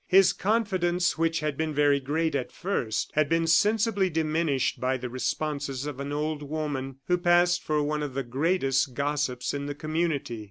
His confidence, which had been very great at first, had been sensibly diminished by the responses of an old woman, who passed for one of the greatest gossips in the community.